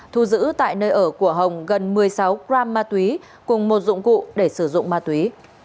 thu giữ tại nơi ở của hồng gần một mươi sáu gram ma túy cùng một dụng cụ để sử dụng ma túy